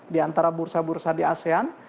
di antara bursa bursa di asean